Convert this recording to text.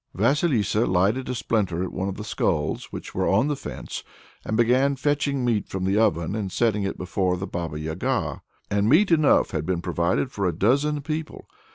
Vasilissa lighted a splinter at one of the skulls which were on the fence, and began fetching meat from the oven and setting it before the Baba Yaga; and meat enough had been provided for a dozen people.